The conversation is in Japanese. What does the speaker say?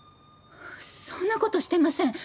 そんな事してません！